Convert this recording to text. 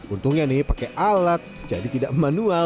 untungnya nih pakai alat jadi tidak manual